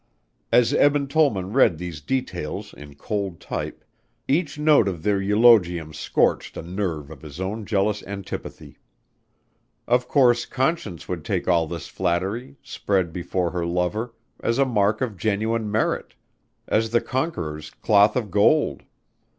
As Eben Tollman read these details in cold type, each note of their eulogium scorched a nerve of his own jealous antipathy. Of course, Conscience would take all this flattery, spread before her lover, as a mark of genuine merit as the conqueror's cloth of gold.